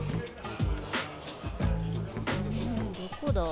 どこだ？